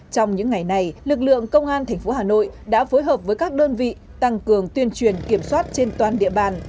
trong những ngày này lực lượng công an tp hà nội đã phối hợp với các đơn vị tăng cường tuyên truyền kiểm soát trên toàn địa bàn